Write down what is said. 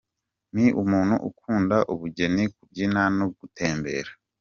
Ni umuntu ukunda ubugeni, kubyina no gutembera.